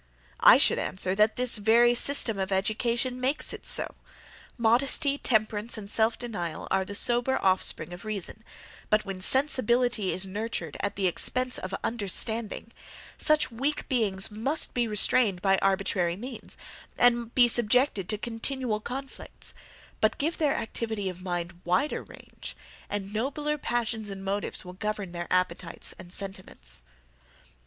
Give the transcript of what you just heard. I should answer, that this very system of education makes it so. Modesty, temperance, and self denial, are the sober offspring of reason; but when sensibility is nurtured at the expense of the understanding, such weak beings must be restrained by arbitrary means, and be subjected to continual conflicts; but give their activity of mind a wider range, and nobler passions and motives will govern their appetites and sentiments.